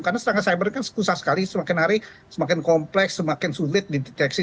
karena serangan cyber kan susah sekali semakin hari semakin kompleks semakin sulit dideteksi